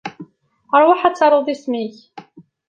Rwaḥ ad taruḍ isem-ik.